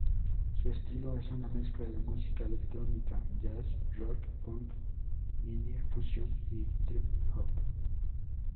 Su estilo es una mezcla de música electrónica, jazz-rock, punk, indie, fusión y trip-hop.